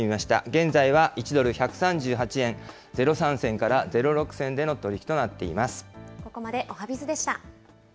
現在は１ドル１３８円０３銭から０６銭での取り引きとなっています。